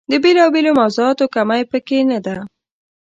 د بېلا بېلو موضوعاتو کمۍ په کې نه ده.